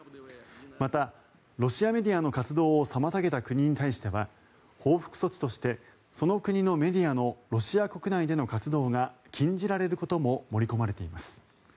また、ロシアメディアの活動を妨げた国に対しては報復措置としてその国のメディアのロシア国内での活動が禁じられることも盛り込まれています。